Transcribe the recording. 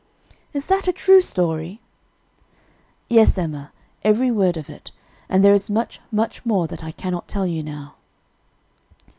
"Is that a true story?" "Yes, Emma, every word of it; and there is much, much more that I cannot tell you now."